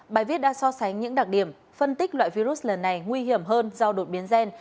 bài viết đã so sánh những đặc điểm phân tích loại virus lần này nguy hiểm hơn do đột biến gen